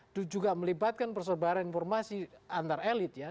itu juga melibatkan persebaran informasi antar elit ya